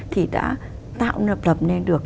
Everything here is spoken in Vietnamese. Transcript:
thì đã tạo lập nên được